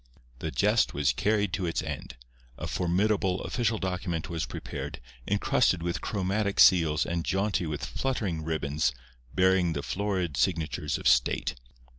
The jest was carried to its end. A formidable, official document was prepared, encrusted with chromatic seals and jaunty with fluttering ribbons, bearing the florid signatures of state.